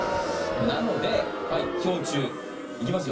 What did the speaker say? なので、氷柱いきますよ。